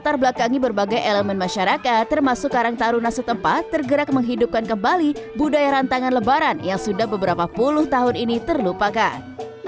latar belakangi berbagai elemen masyarakat termasuk karang taruna setempat tergerak menghidupkan kembali budaya rantangan lebaran yang sudah beberapa puluh tahun ini terlupakan